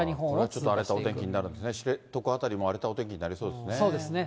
ちょっと荒れたお天気になるんですね、知床辺りも荒れたお天気になりそうですね。